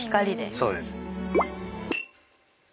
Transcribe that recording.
そうです。